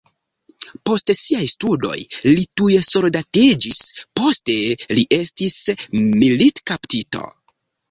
Post siaj studoj li tuj soldatiĝis, poste li estis militkaptito.